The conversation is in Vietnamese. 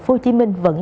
vẫn chưa được phát hiện